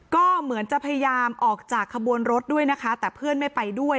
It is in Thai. ก็เหมือนจะพยายามออกจากขบวนรถด้วยนะคะแต่เพื่อนไม่ไปด้วย